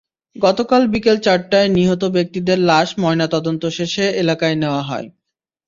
গতকাল বিকেল চারটায় নিহত ব্যক্তিদের লাশ ময়নাতদন্ত শেষে এলাকায় নেওয়া হয়।